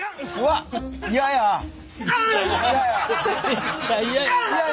めっちゃ嫌や。